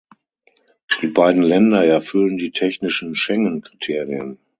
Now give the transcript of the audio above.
Die beiden Länder erfüllen die technischen Schengen-Kriterien.